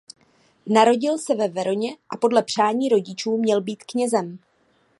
Narodil se ve Veroně a podle přání rodičů měl být knězem.